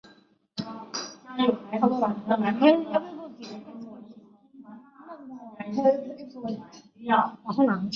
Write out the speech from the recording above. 新竹铁角蕨为铁角蕨科铁角蕨属下的一个种。